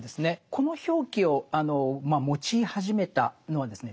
この表記を用い始めたのはですね